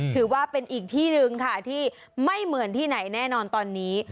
ถือว่าเป็นอีกที่หนึ่งค่ะที่ไม่เหมือนที่ไหนแน่นอนตอนนี้